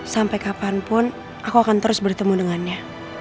sampai kapanpun aku akan terus bertemu dengannya